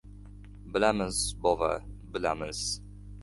— Bilamiz, bova, bilamiz.